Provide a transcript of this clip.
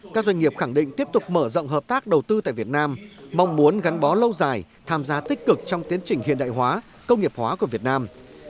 các doanh nghiệp khẳng định tiếp tục mở rộng hợp tác đầu tư tại việt nam mong muốn gắn bó lâu dài tham gia tích cực trong tiến trình hiện đại hóa công nghiệp hóa của việt nam